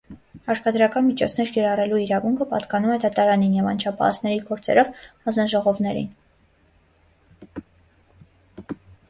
Հարկադրական միջոցներ կիրառելու իրավունքը պատկանում է դատարանին և անչափահասների գործերով հանձնաժողովներին։